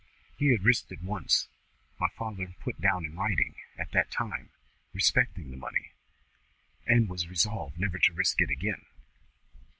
"He had risked it once my father put down in writing at that time, respecting the money and was resolved never to risk it again."